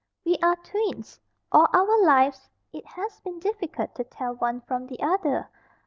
"We are twins. All our lives it has been difficult to tell one from the other.